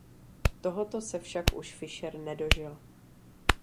Tohoto se však už Fišer nedožil.